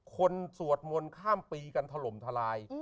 สวดมนต์ข้ามปีกันถล่มทลาย